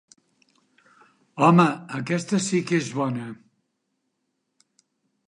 -Home… aquesta sí que és bona!